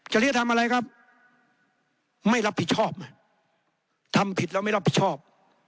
จริยธรรมอะไรครับไม่รับผิดชอบทำผิดแล้วไม่รับผิดชอบ